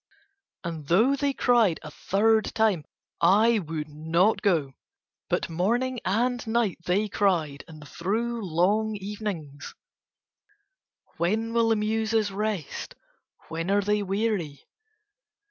And though they cried a third time I would not go. But morning and night they cried and through long evenings. When will the Muses rest? When are they weary?